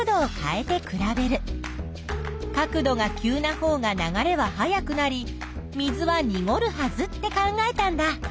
角度が急なほうが流れは速くなり水はにごるはずって考えたんだ。